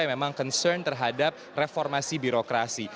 yang memang concern terhadap reformasi birokrasi